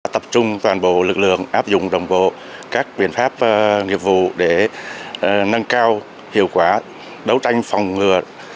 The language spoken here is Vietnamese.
tập trung toàn bộ lực lượng áp dụng đồng bộ các biện pháp nghiệp vụ để nâng cao hiệu quả đấu tranh phòng ngừa